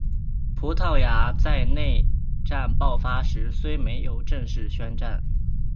葡萄牙在内战爆发时虽没有正式宣战。